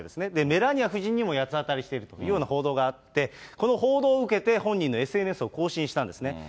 メラニア夫人にも八つ当たりしているというような報道があって、この報道を受けて、本人のＳＮＳを更新したんですね。